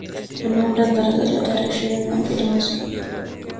John Adams amezaliwa tarehe ishirini na mbili mwezi wa pili